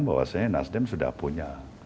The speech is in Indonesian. bahwa nasdem sudah punya